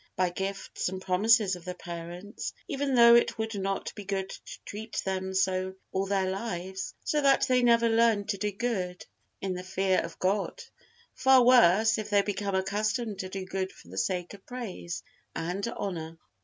by gifts and promises of the parents, even though it would not be good to treat them so all their lives, so that they never learn to do good in the fear of God: far worse, if they become accustomed to do good for the sake of praise and honor.